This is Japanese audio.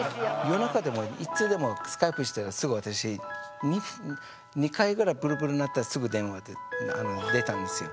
夜中でもいつでもＳｋｙｐｅしたらすぐ私２回ぐらいプルプル鳴ったらすぐ電話出たんですよ。